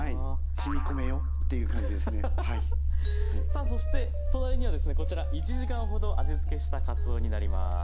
さあそして隣にはですねこちら１時間ほど味付けしたかつおになります。